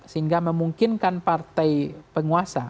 sehingga memungkinkan partai penguasa